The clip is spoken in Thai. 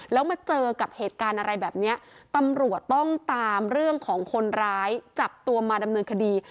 แล้วมาเจอกับเหตุการณ์อะไรแบบนี้ตำรวจต้องตามเรื่องของคนร้ายจับตัวมาดำเนินคดี